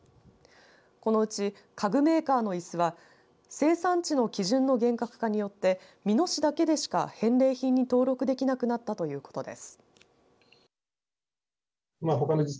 このうち、家具メーカーのいすは生産地の基準の厳格化によって美濃市だけでしか返礼品に登録できなくなったということです。